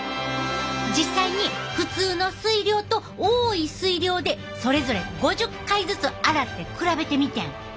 実際に普通の水量と多い水量でそれぞれ５０回ずつ洗って比べてみてん。